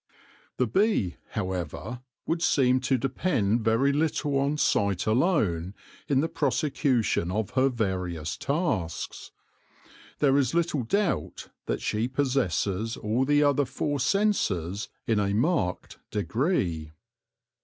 The bee, however, would seem to depend very little on sight alone in the prosecution of her various tasks. There is little doubt that she possesses all the other four senses in a marked degree.